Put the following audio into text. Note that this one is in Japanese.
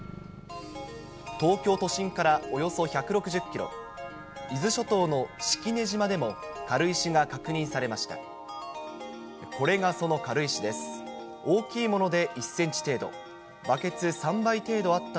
東京都心からおよそ１６０キロ、伊豆諸島の式根島でも軽石が確認されました。